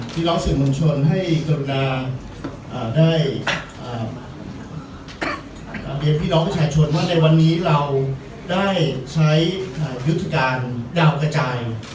พี่น้องสื่อมวลชนให้กรุณาได้เรียนพี่น้องประชาชนว่าในวันนี้เราได้ใช้ยุทธการดาวกระจาย